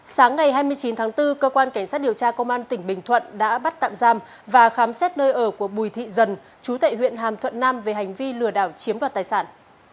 sáng ngày hai mươi chín tháng bốn cơ quan cảnh sát điều tra công an tỉnh bình thuận đã bắt tạm giam và khám xét nơi ở của bùi thị dần chú tệ huyện hàm thuận nam về hành vi lừa đảo chiếm đoạt tài sản